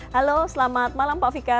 halo selamat malam pak fika